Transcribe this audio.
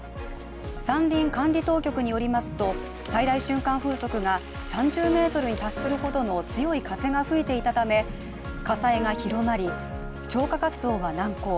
山林管理当局によりますと最大瞬間風速が３０メートルに達するほどの強い風が吹いていたため火災が広まり、消火活動は難航。